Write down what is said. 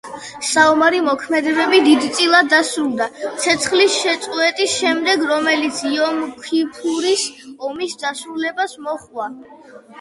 საომარი მოქმედებები დიდწილად დასრულდა ცეცხლის შეწყვეტის შემდეგ, რომელიც იომ-ქიფურის ომის დასრულებას მოჰყვა.